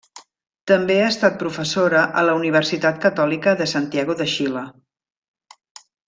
També ha estat professora a la Universitat Catòlica de Santiago de Xile.